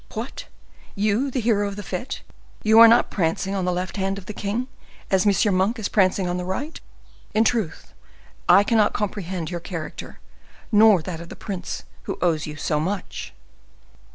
What! you, the hero of the fete, you are not prancing on the left hand of the king, as M. Monk is prancing on the right? In truth, I cannot comprehend your character, nor that of the prince who owes you so much!"